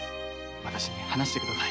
わたしに話してください。